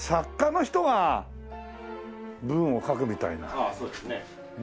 ああそうですね。